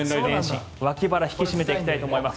脇腹引き締めていきたいと思います。